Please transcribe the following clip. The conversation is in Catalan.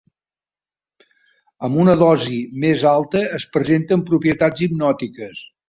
Amb una dosi més alta es presenten propietats hipnòtiques.